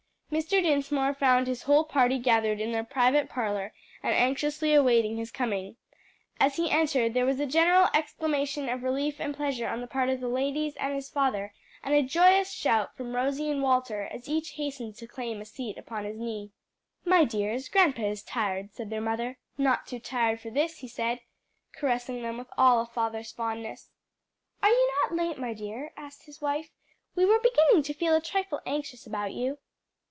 Mr. Dinsmore found his whole party gathered in their private parlor and anxiously awaiting his coming. As he entered there was a general exclamation of relief and pleasure on the part of the ladies and his father, and a joyous shout from Rosie and Walter as each hastened to claim a seat upon his knee. "My dears, grandpa is tired," said their mother. "Not too tired for this," he said, caressing them with all a father's fondness. "Are you not late, my dear?" asked his wife; "we were beginning to feel a trifle anxious about you."